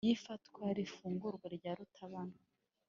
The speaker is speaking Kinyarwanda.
y’ifatwa n’ifungwa rya rutabana.